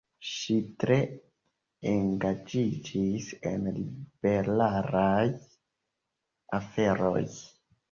Ŝi tre engaĝiĝis en liberalaj aferoj.